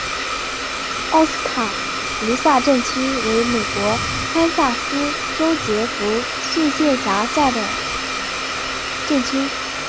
奥斯卡卢萨镇区为美国堪萨斯州杰佛逊县辖下的镇区。